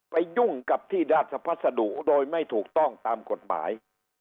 ยุ่งกับที่ราชพัสดุโดยไม่ถูกต้องตามกฎหมาย